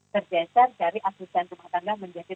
bergeser dari asisten rumah tangga menjadi